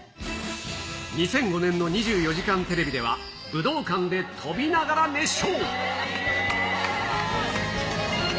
２００５年の２４時間テレビでは、武道館で飛びながら熱唱。